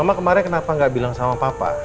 mama kemarin kenapa gak bilang sama papa